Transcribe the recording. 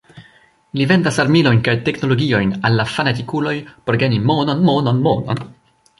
Ili vendas armilojn kaj teknologiojn, al la fanatikuloj, por gajni monon, monon, monon.